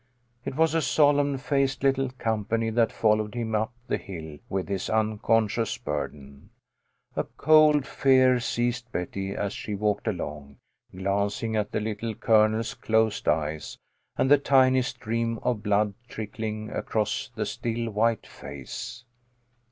It was a solemn faced little company that followed him up the hill with his unconscious burden. A cold fear seized Betty as she walked along, glancing at the Little Colonel's closed eyes, and the tiny stream of blood trickling across the still white face.